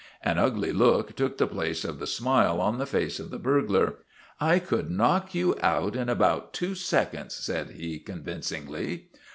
An ugly look took the place of the smile on the face of the burglar. " I could knock you out in about two seconds," said he, convincingly.